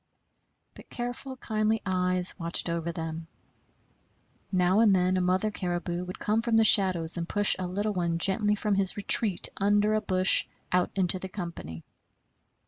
But careful, kindly eyes watched over them. Now and then a mother caribou would come from the shadows and push a little one gently from his retreat under a bush out into the company.